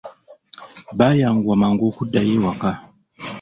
Baayanguwa mangu okuddayo ewaka.